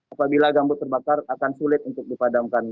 apabila gambut terbakar akan sulit untuk dipadamkan